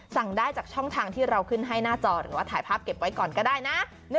สั่งได้จากช่องทางที่เราขึ้นให้หน้าจอหรือว่าถ่ายภาพเก็บไว้ก่อนก็ได้นะ